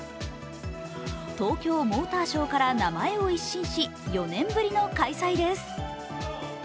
東京モーターショーから名前を一新し４年ぶりの開催です。